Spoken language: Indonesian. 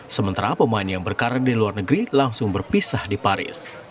sementara pemain yang berkarir di luar negeri langsung berpisah di paris